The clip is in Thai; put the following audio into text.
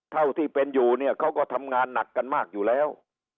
เท่าที่เป็นอยู่เนี่ยเขาก็ทำงานหนักกันมากอยู่แล้ว